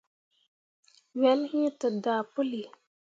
Wel iŋ te daa puli.